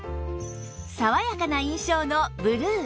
爽やかな印象のブルー